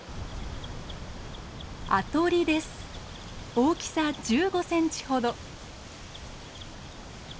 大きさ１５センチほど。